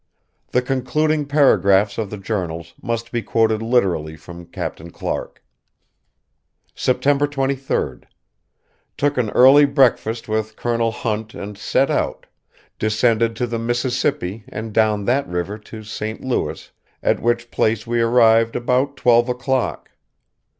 The concluding paragraphs of the journals must be quoted literally from Captain Clark: "September 23rd. Took an early brackfast with Colo Hunt and set out, descended to the Mississippi and down that river to St. Louis at which place we arived about 12 o'clock.